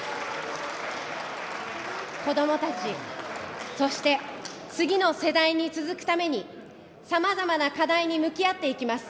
こどもたち、そして次の世代に続くために、さまざまな課題に向き合っていきます。